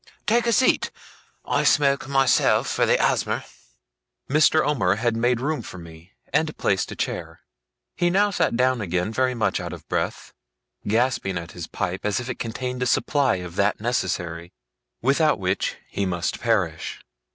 Take a seat. I smoke, myself, for the asthma.' Mr. Omer had made room for me, and placed a chair. He now sat down again very much out of breath, gasping at his pipe as if it contained a supply of that necessary, without which he must perish.